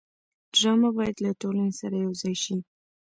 ډرامه باید له ټولنې سره یوځای شي